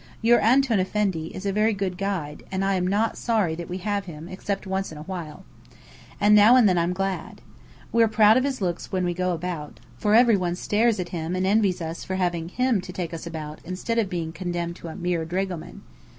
Your Antoun Effendi is a very good guide, and I am not sorry that we have him except once in a while. And now and then I'm glad. We're proud of his looks when we go about, for every one stares at him and envies us for having him to take us about, instead of being condemned to a mere dragoman.